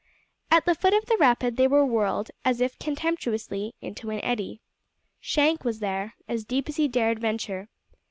At the foot of the rapid they were whirled, as if contemptuously, into an eddy. Shank was there, as deep as he dared venture.